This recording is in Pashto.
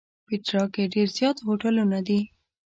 پېټرا کې ډېر زیات هوټلونه دي.